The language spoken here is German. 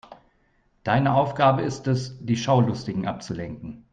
Deine Aufgabe ist es, die Schaulustigen abzulenken.